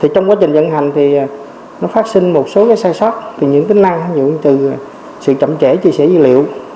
trong quá trình vận hành thì nó phát sinh một số sai sót từ những tính năng như sự chậm trễ chia sẻ dữ liệu